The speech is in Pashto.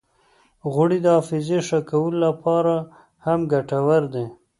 غوړې د حافظې ښه کولو لپاره هم ګټورې دي.